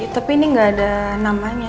tapi ini nggak ada namanya